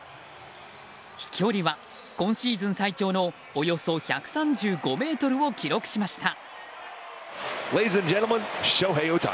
飛距離は今シーズン最長のおよそ１３５ｍを記録しました。